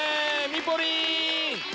ミポリン！